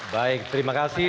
baik terima kasih